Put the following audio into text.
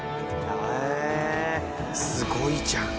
へえすごいじゃん！